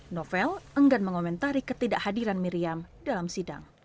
novel enggan mengomentari ketidakhadiran miriam dalam sidang